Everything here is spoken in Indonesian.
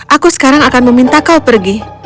aku sekarang akan meminta kau pergi